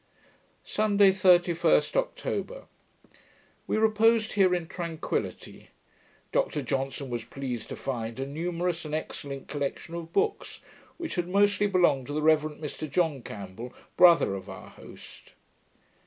Sunday, 31st October We reposed here in tranquillity. Dr Johnson was pleased to find a numerous and excellent collection of books, which had mostly belonged to the Reverend Mr John Campbell, brother of our host.